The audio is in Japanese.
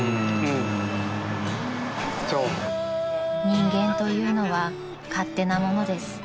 ［人間というのは勝手なものです］